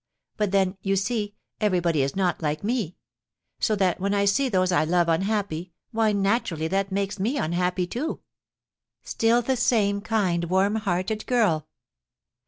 But then, you see, everybody is not like me; so that, when I see those I love unhappy, why, naturally, that makes me unhappy, too." "Still the same kind, warm hearted girl!"